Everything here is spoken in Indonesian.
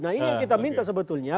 nah ini yang kita minta sebetulnya